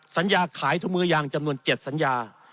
ขายถุงมือยางจำนวน๗สัญญา